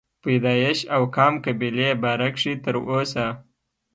پيدائش او قام قبيلې باره کښې تر اوسه